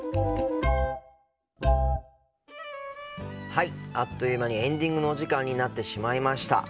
はいあっという間にエンディングのお時間になってしまいました。